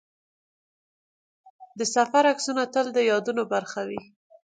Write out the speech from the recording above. د سفر عکسونه تل د یادونو برخه وي.